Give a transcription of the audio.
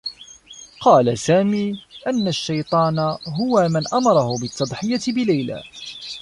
قال سامي أنّ الشّيطان هو من أمره بالتّضحية بليلى.